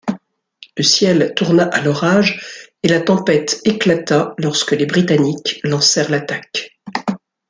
Le ciel tourna à l'orage et la tempête éclata lorsque les Britanniques lancèrent l'attaque.